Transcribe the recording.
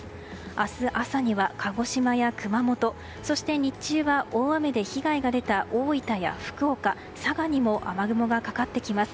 明日朝には、鹿児島や熊本そして日中は大雨で被害が出た大分や福岡、佐賀にも雨雲がかかってきます。